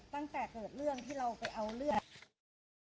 ตั้งแต่เกิดเรื่องที่เราไปเอาเลือด